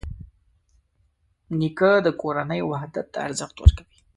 نیکه د کورنۍ وحدت ته ارزښت ورکوي.